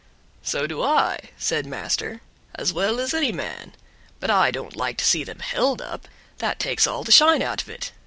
"So do I," said master, "as well as any man, but I don't like to see them held up; that takes all the shine out of it.